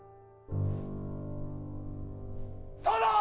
殿！